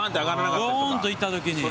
ドーンといったときに。